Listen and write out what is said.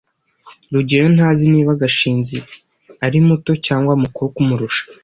rugeyo ntazi niba gashinzi ari muto cyangwa mukuru kumurusha